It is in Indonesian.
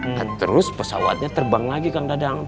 kan terus pesawatnya terbang lagi kang dadang